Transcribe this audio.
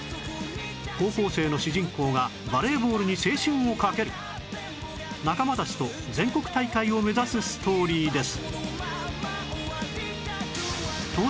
高校生の主人公がバレーボールに青春をかける仲間たちと全国大会を目指すストーリーです